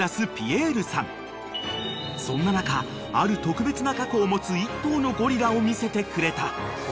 ［そんな中ある特別な過去を持つ１頭のゴリラを見せてくれた］